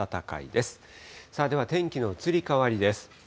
では天気の移り変わりです。